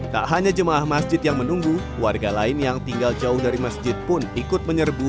tak hanya jemaah masjid yang menunggu warga lain yang tinggal jauh dari masjid pun ikut menyerbu